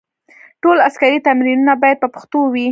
ټول عسکري تمرینونه باید په پښتو وي.